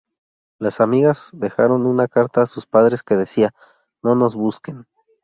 Las amigas dejaron una carta a sus padres que decía "No nos busquen.